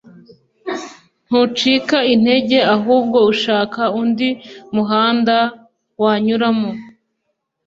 Ntucika intege ahubwo ushaka undi muhanda wanyuramo